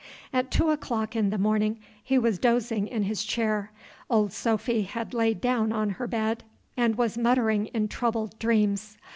At two o'clock in the morning he was dozing in his chair. Old Sophy had lain down on her bed, and was muttering in troubled dreams.